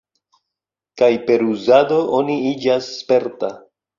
Kaj per uzado, oni iĝas sperta.